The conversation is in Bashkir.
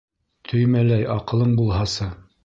Төймәләй аҡылың булһасы.